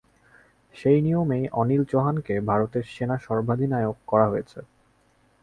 সেই নিয়মেই অনিল চৌহানকে ভারতের সেনা সর্বাধিনায়ক করা হয়েছে।